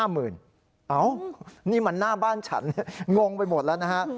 นี่เหมือนหน้าบ้านฉันงงไปหมดแล้วนะฮะ